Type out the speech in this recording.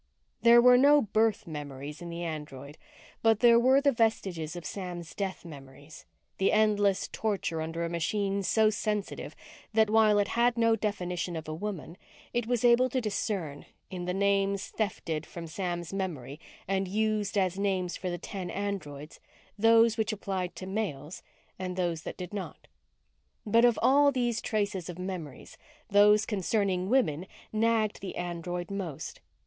There were no birth memories in the android, but there were the vestiges of Sam's death memories: the endless torture under a machine so sensitive that, while it had no definition of a woman, it was able to discern in the names thefted from Sam's memory and used as names for the ten androids those which applied to males and those that did not. But of all these traces of memories, those concerning women nagged the android most.